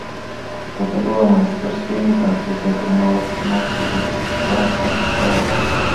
Гэта была майстэрская імітацыя, якая атрымала станоўчыя водгукі тагачасных паэтаў.